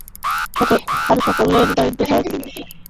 আর সকলে দরিদ্রের সহায়তা করিতে ব্যস্ত।